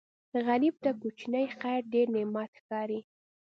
غریب ته کوچنی خیر ډېر نعمت ښکاري